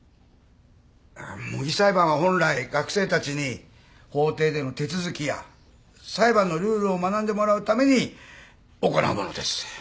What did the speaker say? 模擬裁判は本来学生たちに法廷での手続きや裁判のルールを学んでもらうために行うものです。